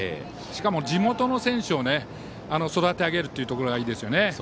しかも、地元の選手を育て上げるところがいいですね。